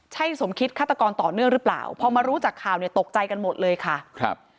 ใช่สมคิดฆาตกรต่อเนื่องหรือเปล่าพอมารู้จากข่าวเนี่ยตกใจกันหมดเลยค่ะครับ